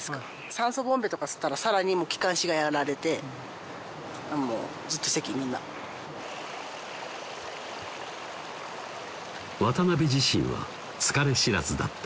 酸素ボンベとか吸ったら更に気管支がやられてもうずっと咳みんな渡自身は疲れ知らずだった